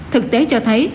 thực tế cho thấy